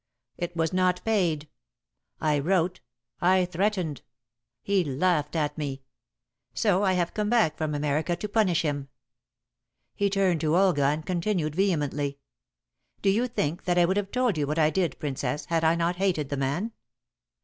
It was not paid. I wrote I threatened. He laughed at me. So I have come back from America to punish him." He turned to Olga and continued vehemently, "Do you think that I would have told you what I did, Princess, had I not hated the man?